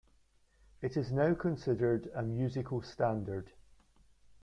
It is now considered a musical "standard".